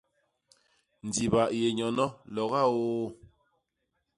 Ndiba i yé nyono, loga ôô!